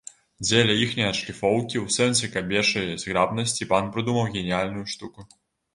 Дзеля іхняй адшліфоўкі ў сэнсе кабечай зграбнасці пан прыдумаў геніяльную штуку.